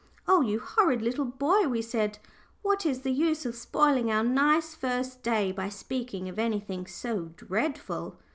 "Oh, you horrid little boy!" we said; "what is the use of spoiling our nice first day by speaking of anything so dreadful?"